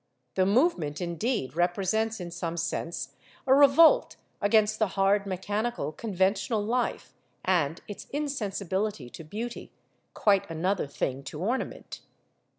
The movement, indeed, represents in some sense a revolt against the hard mechanical conventional life and its insensibility to beauty (quite another thing to ornament).